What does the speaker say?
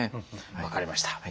分かりました。